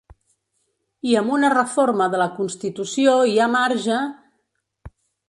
I amb una reforma de la constitució hi ha marge….